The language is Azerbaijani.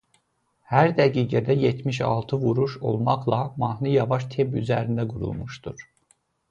Hər dəqiqədə yetmiş altı vuruş olmaqla mahnı yavaş temp üzərində qurulmuşdur.